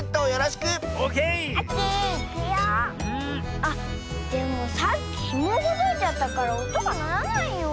あっでもさっきひもをほどいちゃったからおとがならないよ。